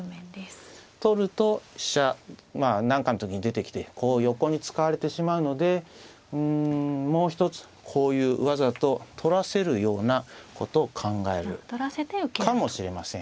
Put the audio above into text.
取ると飛車まあ何かの時に出てきてこう横に使われてしまうのでうんもう一つこういうわざと取らせるようなことを考えるかもしれません。